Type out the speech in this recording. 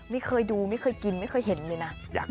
ไม่เคยดูไม่เคยกินไม่เคยเห็นเลยนะ